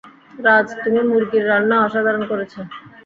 রাজ, তুমি মুরগির রান্না অসাধারণ করেছ।